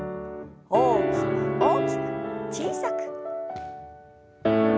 大きく大きく小さく。